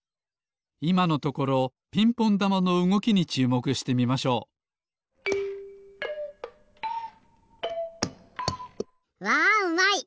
いまのところピンポンだまのうごきにちゅうもくしてみましょうわうまい！